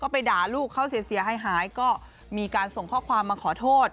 ไปด่าลูกเขาเสียเสียหายหายก็จึงส่งข้อความมาขอโทษ